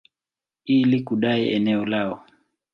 ili kudai eneo lao.